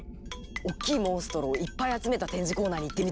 おっきいモンストロをいっぱい集めた展示コーナーに行ってみたいです！